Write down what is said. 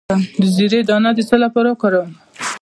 د زیرې دانه د څه لپاره وکاروم؟